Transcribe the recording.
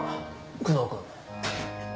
久能君。